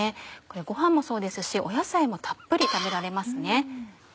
ご飯もそうですし野菜もたっぷり食べられます。